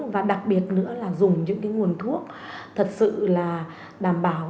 và đặc biệt nữa là dùng những cái nguồn thuốc thật sự là đảm bảo